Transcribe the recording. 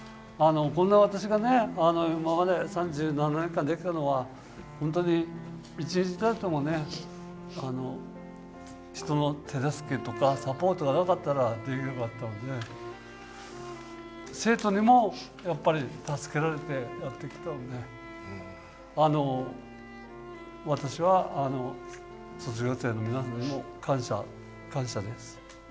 こんな私が今まで３７年間できたのは本当に１日たりとも人の手助けとかサポートがなかったらできなかったので生徒にもやっぱり助けられてやってきたので私は卒業生の皆さんにも感謝感謝です。